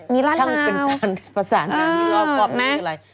มีร่านราวช่างเป็นภาษาหน้าที่รอบอะไร